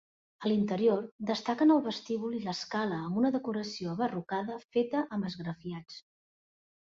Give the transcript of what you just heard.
A l'interior destaquen el vestíbul i l'escala amb una decoració abarrocada feta amb esgrafiats.